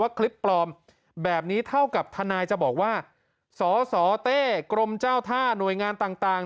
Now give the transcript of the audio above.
คลิปปลอมแบบนี้เท่ากับทนายจะบอกว่าสสเต้กรมเจ้าท่าหน่วยงานต่าง